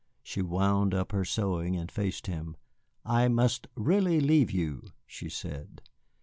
She wound up her sewing, and faced him. "I must really leave you," she said.